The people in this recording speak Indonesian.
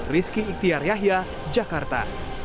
rizky iktiar yahya jakarta